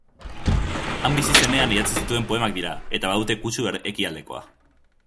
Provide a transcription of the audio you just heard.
Han bizi zenean idatzi zituen poemak dira, eta badute kutsu ekialdekoa.